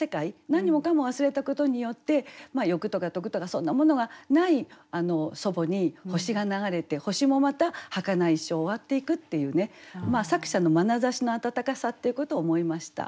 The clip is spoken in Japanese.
何もかも忘れたことによって欲とか得とかそんなものがない祖母に星が流れて星もまたはかないし終わっていくっていうね作者のまなざしの温かさっていうことを思いました。